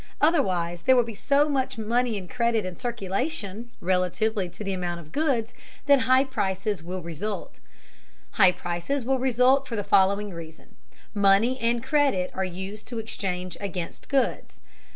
Otherwise, there will be so much money and credit in circulation, relatively to the amount of goods, that high prices will result. High prices will result for the following reason: Money and credit are used to exchange against goods.